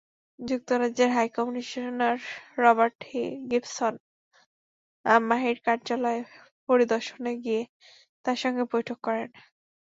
যুক্তরাজ্যের high commissioner Robert Gibson মাহীর কার্যালয় পরিদর্শনে গিয়ে তাঁর সঙ্গে বৈঠক করেন।